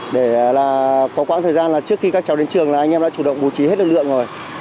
để là có quãng thời gian là trước khi các cháu đến trường là anh em đã chủ động bố trí hết lực lượng rồi